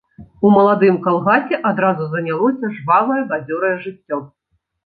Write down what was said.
У маладым калгасе адразу занялося жвавае, бадзёрае жыццё.